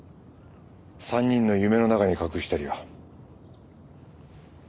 ３人の夢の中に隠したりは。